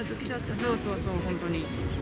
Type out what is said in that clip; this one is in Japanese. そうそうそう、本当に。